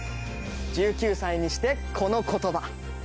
１９歳にして、この言葉。